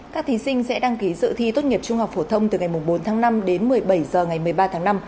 các thí sinh sẽ đăng ký dự thi tốt nghiệp trung học phổ thông từ ngày bốn tháng năm đến một mươi bảy h ngày một mươi ba tháng năm